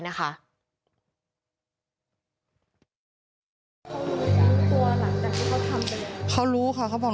ลูกนั่นแหละที่เป็นคนผิดที่ทำแบบนี้